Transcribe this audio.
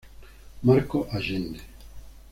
Marco Allende.